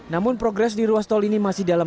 namun progres di ruas tol ini masih dalam